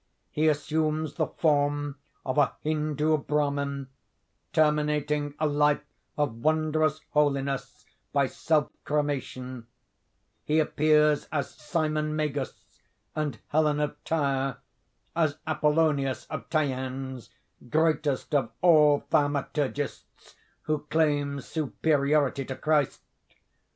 He assumes the form of a Hindoo Brahmin, terminating a life of wondrous holiness by self cremation; he appears as Simon Magus and Helen of Tyre, as Appollonius of Tyans, greatest of all thaumaturgists, who claims superiority to Christ.